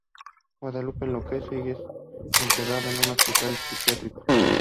Guadalupe enloquece y es internada en un hospital psiquiátrico.